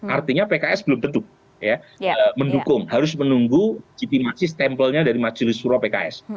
artinya pks belum tentu mendukung harus menunggu citimasis tempelnya dari majelis surok pks